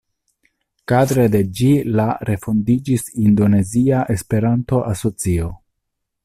Kadre de ĝi la refondiĝis Indonezia Esperanto-Asocio.